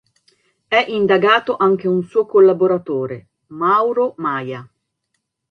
È indagato anche un suo collaboratore, Mauro Maia.